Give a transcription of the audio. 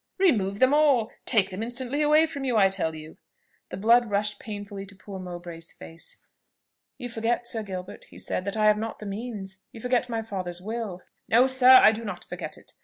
"Remove them all. Take them instantly away from her, I tell you." The blood rushed painfully to poor Mowbray's face. "You forget, Sir Gilbert," he said, "that I have not the means: you forget my father's will." "No, sir; I do not forget it.